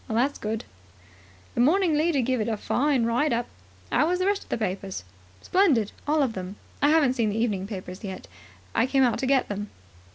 "That's good." "The Morning Leader give it a fine write up. How was the rest of the papers?" "Splendid, all of them. I haven't seen the evening papers yet. I came out to get them."